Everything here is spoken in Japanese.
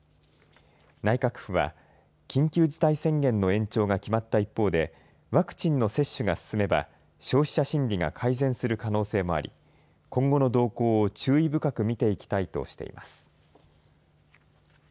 内閣府は緊急事態宣言の延長が決まった一方でワクチンの接種が進めば消費者心理が改善する可能性もあり今後の動向を注意深く見ていきたいとしています。